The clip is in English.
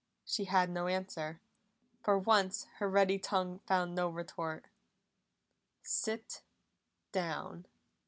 She had no answer; for once her ready tongue found no retort. "Sit down!"